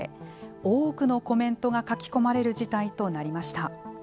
多くのコメントが書き込まれる事態となりました。